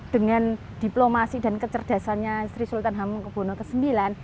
dengan diplomasi dan kecerdasannya sri sultan hamengkubwono ix